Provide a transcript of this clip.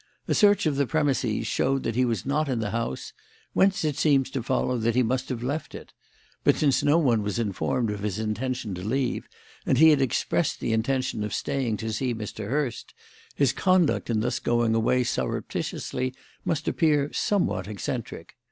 A search of the premises showed that he was not in the house, whence it seems to follow that he must have left it; but since no one was informed of his intention to leave, and he had expressed the intention of staying to see Mr. Hurst, his conduct in thus going away surreptitiously must appear somewhat eccentric.